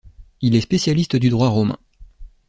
Il est spécialiste du Droit romain.